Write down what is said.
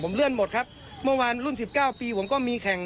เลื่อนหมดครับเมื่อวานรุ่น๑๙ปีผมก็มีแข่ง